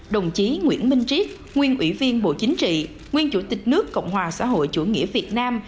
đồng chí nguyễn minh triết nguyên ủy viên bộ chính trị nguyên chủ tịch nước cộng hòa xã hội chủ nghĩa việt nam